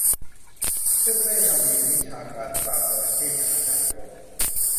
ซึ่งได้ร่ำเรียนวิชาการปราบจระเข้จากอาจารย์คง